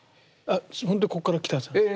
ほんとこっから来たやつなんですか？